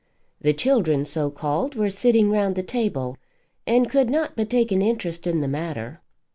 The children, so called, were sitting round the table and could not but take an interest in the matter.